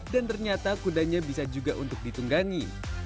dan ternyata kudanya bisa juga untuk ditunggangi